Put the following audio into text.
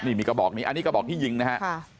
นี่มีกระบอกนี้อันนี้กระบอกที่ยิงนะฮะ